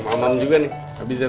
rumah aman juga nih abizar